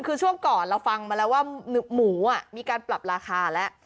คือช่วงก่อนเราฟังมาแล้วว่าหมูมีการปรับราคาแล้ว